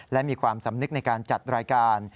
และมีความสำนึกในการจัดรายการ